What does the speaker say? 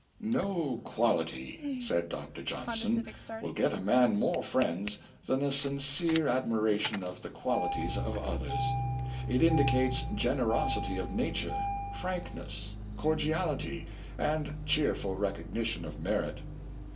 jfoJinson and Bos well. 137 " No quality," said Dr. Johnson, "will get a man more friends than a sincere admiration of the quaMties of others. It indicates generosity of nature, frankness, cordiality and cheerful recognition of merit."